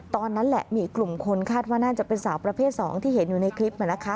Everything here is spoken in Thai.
ตอนนั้นแหละมีกลุ่มคนคาดว่าน่าจะเป็นสาวประเภท๒ที่เห็นอยู่ในคลิป